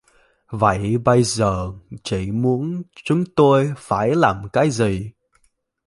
Vậy Bây giờ chị muốn chúng tôi phải làm cái gì